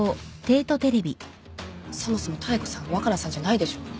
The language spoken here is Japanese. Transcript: そもそも妙子さん若菜さんじゃないでしょ。